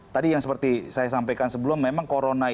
tadi yang seperti saya sampaikan sebelum memang